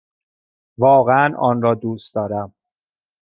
واقعا آن را دوست دارم!